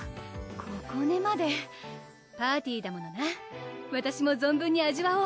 ここねまでパーティだものなわたしも存分に味わおう！